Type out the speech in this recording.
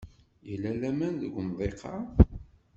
Yella laman deg umḍiq-a?